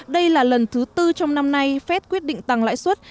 đây là lần thứ tư trong năm nay fed quyết định tăng lãi suất